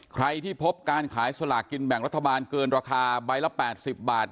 ใครที่พบการขายสลากกินแบ่งรัฐบาลเกินราคาใบละ๘๐บาท